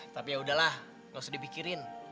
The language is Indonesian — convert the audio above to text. tapi yaudah lah enggak usah dipikirin